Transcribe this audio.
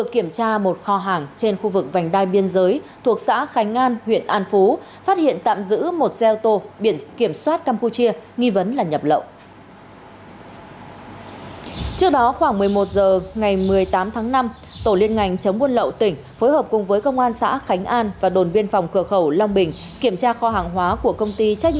kiểm tra kho hàng hóa của công ty trách nhiệm hữu hạn